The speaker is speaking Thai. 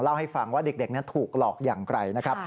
เล่าให้ฟังว่าเด็กนั้นถูกหลอกอย่างไกลนะครับ